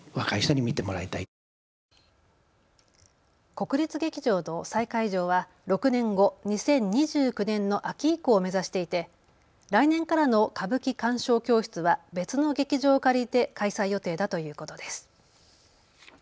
国立劇場の再開場は６年後、２０２９年の秋以降を目指していて来年からの歌舞伎鑑賞教室は別の劇場を借りて開催予定だということです。